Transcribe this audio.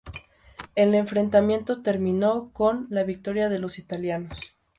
El enfrentamiento terminó con la victoria de los italianos.